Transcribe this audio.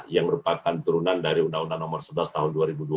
yang merupakan turunan dari undang undang nomor sebelas tahun dua ribu dua puluh